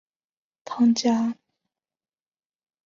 汤加的影响为他将波利尼西亚的习俗和一些语言带入斐济。